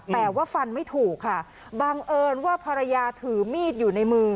แต่ว่าฟันไม่ถูกค่ะบังเอิญว่าภรรยาถือมีดอยู่ในมือ